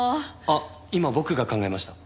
あっ今僕が考えました。